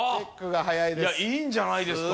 あいいんじゃないですか。